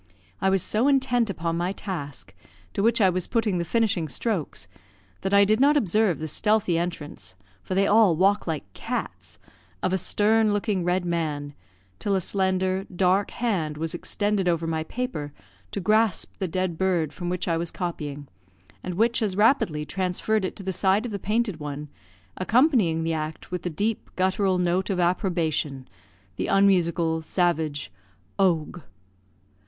I was so intent upon my task, to which I was putting the finishing strokes, that I did not observe the stealthy entrance (for they all walk like cats) of a stern looking red man, till a slender, dark hand was extended over my paper to grasp the dead bird from which I was copying, and which as rapidly transferred it to the side of the painted one, accompanying the act with the deep guttural note of approbation, the unmusical, savage "Owgh."